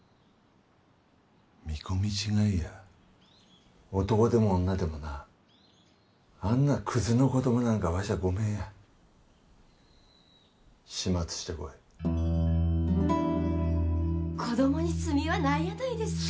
見込み違いや男でも女でもなあんなクズの子供なんかわしゃごめんや始末してこい・子供に罪はないやないですか